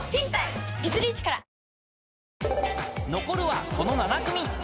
［残るはこの７組］